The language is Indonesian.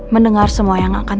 mendengar semua yang akan